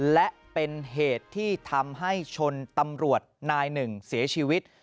และเป็นเหตุที่ทำให้ชนตำรวจนายหนึ่งเสียชีวิต